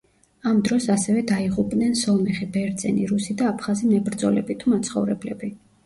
ამ დროს ასევე დაიღუპნენ სომეხი, ბერძენი, რუსი და აფხაზი მებრძოლები თუ მაცხოვრებლები.